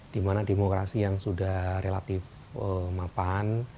dimana demokrasi yang sudah relatif mapan